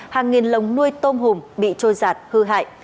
hàng nghìn lồng nuôi tôm hùm bị trôi giạt hư hại